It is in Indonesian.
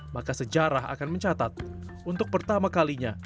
maka sejarah akan mencatat untuk pertama kalinya